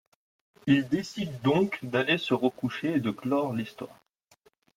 Il décide donc d'aller se recoucher et de clore l'histoire.